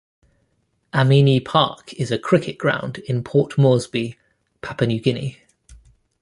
Amini Park is a cricket ground in Port Moresby, Papua New Guinea.